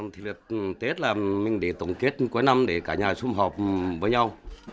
thịt lợn tết là mình để tổng kết cuối năm để cả nhà xung họp với nhau